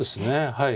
はい